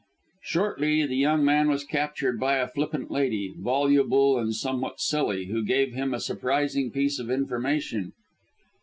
Shortly the young man was captured by a flippant lady, voluble and somewhat silly, who gave him a surprising piece of information.